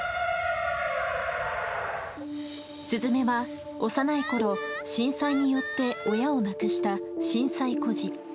鈴芽は幼いころ震災によって親を亡くした震災孤児。